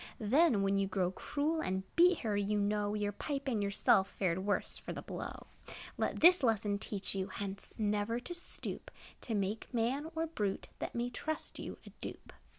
Then, when you grew cruel And beat her, you know Your pipe and yourself Fared the worst for the blow. Let this lesson teach you, Hence never to stoop To make man, or brute, That may trust you, a dupe.